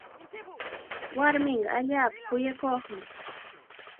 Warminqa allaapa kuyakuqmi.